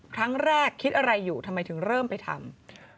ครั้งแรกคิดอะไรอยู่ทำไมถึงเริ่มไปทำ